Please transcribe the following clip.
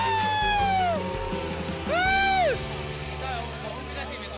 ruler penerang sulawesi selatan